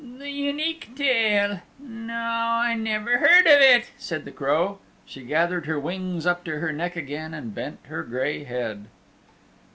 "The Unique Tale! No, I never heard of it," said the Crow. She gathered her wings up to her neck again and bent her gray head.